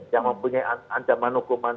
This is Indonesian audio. yang mempunyai ancaman hukuman